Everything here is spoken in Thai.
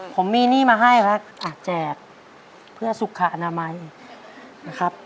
ผมมีหนี้มาให้ครับแจกเพื่อสุขอนามัยนะครับ